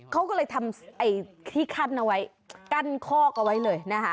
เขาก็เลยทำไอ้ที่ขั้นเอาไว้กั้นคอกเอาไว้เลยนะคะ